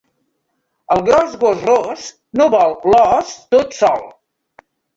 El gros gos ros no vol l’os tot sol.